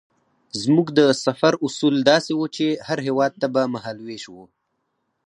زموږ د سفر اصول داسې وو چې هر هېواد ته به مهال وېش وو.